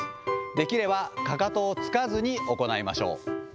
できれば、かかとをつかずに行いましょう。